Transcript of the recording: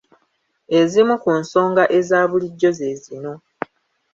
Ezimu ku nsonga ezabulijjo ze zino.